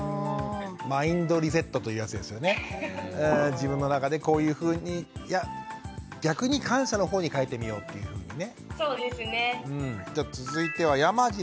自分の中でこういうふうにいや逆に感謝のほうに変えてみようっていうふうにね。